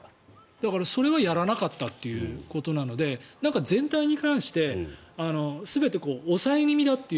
だから、それはやらなかったということなので全体に関して全て抑え気味だと。